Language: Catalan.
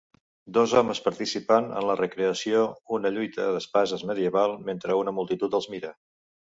Dos homes participant en la recreació una lluita d'espases medieval mentre una multitud els mira.